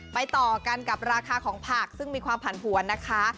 ต่อกันกับราคาของผักซึ่งมีความผันผวนนะคะ